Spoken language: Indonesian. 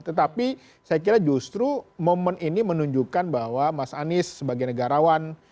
tetapi saya kira justru momen ini menunjukkan bahwa mas anies sebagai negarawan